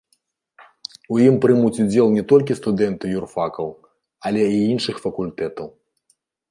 У ім прымуць удзел не толькі студэнты юрфакаў, але і іншых факультэтаў.